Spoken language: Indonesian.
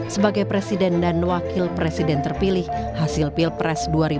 sebagai presiden dan wakil presiden terpilih hasil pilpres dua ribu sembilan belas